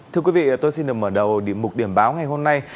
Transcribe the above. thưa quý vị tôi xin được mở đầu điểm mục điểm báo ngày hôm nay